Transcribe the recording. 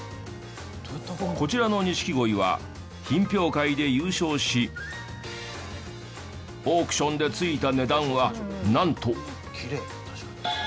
こちらの錦鯉は品評会で優勝しオークションでついた値段はなんと。